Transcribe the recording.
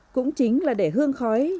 cũng chính là để hương khói